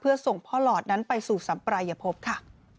เพื่อส่งพ่อหลอดนั้นไปสู่สัมปรายภพค่ะ